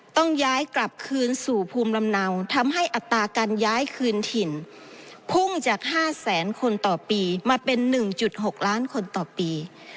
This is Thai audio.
ต้องย้ายกลับคืนสู่ภูมิลำเนาทำให้อัตราการย้ายคืนถิ่นพุ่งจาก๕แสนคนต่อปีมาเป็น๑๖ล้านคนต่อปี